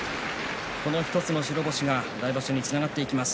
この１つの白星が来場所につながっていきます。